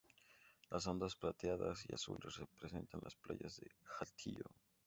Las ondas plateadas y azules representan las playas de Hatillo.